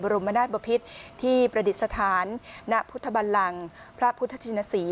รมนาศบพิษที่ประดิษฐานณพุทธบันลังพระพุทธชินศรี